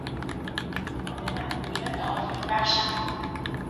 به دنبال ماموریت آزادیبخش ما